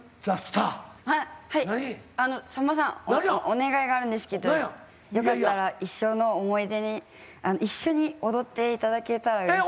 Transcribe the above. お願いがあるんですけどよかったら一生の思い出に一緒に踊って頂けたらうれしい。